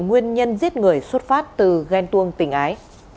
nguyên nhân giết người xuất phát từ ghen tuông tình ái